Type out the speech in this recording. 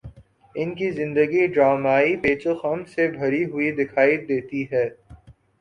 ان کی زندگی ڈرامائی پیچ و خم سے بھری ہوئی دکھائی دیتی ہے